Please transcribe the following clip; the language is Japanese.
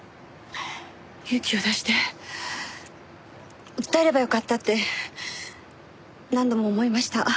勇気を出して訴えればよかったって何度も思いました。